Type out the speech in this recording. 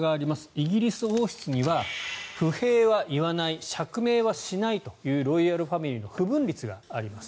イギリス王室には不平は言わない釈明はしないというロイヤルファミリーの不文律があります。